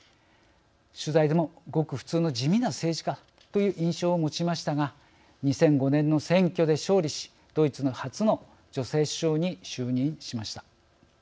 取材でもごく普通の地味な政治家という印象を持ちましたが２００５年の選挙で勝利し、ドイツの初の女性首相に就任しました。